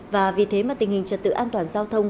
và vì thế mà tình hình trật tự an toàn giao thông